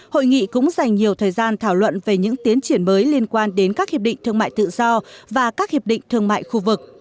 hội nghị cũng dành nhiều thời gian thảo luận về những tiến triển mới liên quan đến các hiệp định thương mại tự do và các hiệp định thương mại khu vực